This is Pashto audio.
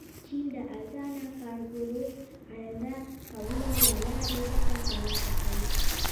چین د ارزانه کارګرو عرضه کولو له لارې ګټه ترلاسه کوي.